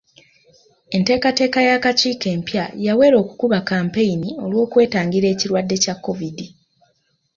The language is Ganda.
Enteekateeka y'akakiiko empya yawera okukuba kampeyini olw'okwetangira ekirwadde kya COVID.